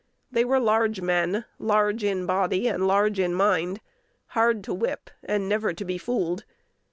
They were large men, large in body and large in mind; hard to whip, and never to be fooled.